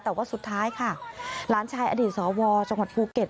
แต่ว่าสุดท้ายค่ะหลานชายอดีตสวจังหวัดภูเก็ต